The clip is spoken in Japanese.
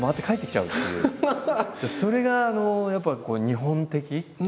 それがやっぱり日本的。